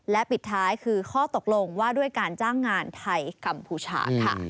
และปิดท้ายคือข้อตกลงว่าด้วยการจ้างงานไทยกัมพูชาค่ะ